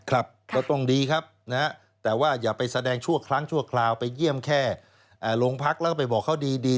ก็ต้องดีครับนะฮะแต่ว่าอย่าไปแสดงชั่วครั้งชั่วคราวไปเยี่ยมแค่โรงพักแล้วก็ไปบอกเขาดี